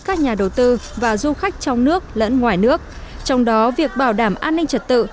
các nhà đầu tư và du khách trong nước lẫn ngoài nước trong đó việc bảo đảm an ninh trật tự